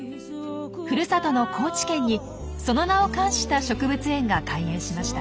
ふるさとの高知県にその名を冠した植物園が開園しました。